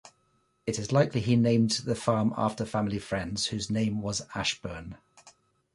It is likely he named the farm after family friends whose name was "Ashburn".